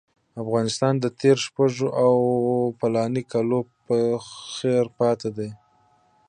افغانستان د تېرو شپږو اوو فلاني کالو په څېر پاتې دی.